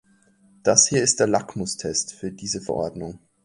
Das hier ist der Lackmustest für diese Verordnung.